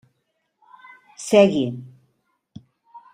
Segui.